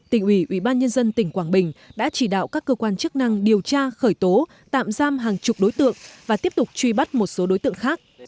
tỉnh ủy ủy ban nhân dân tỉnh quảng bình đã chỉ đạo các cơ quan chức năng điều tra khởi tố tạm giam hàng chục đối tượng và tiếp tục truy bắt một số đối tượng khác